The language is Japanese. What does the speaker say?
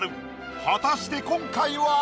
果たして今回は？